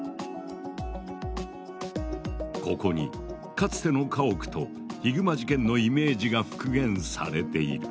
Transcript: ここにかつての家屋とヒグマ事件のイメージが復元されている。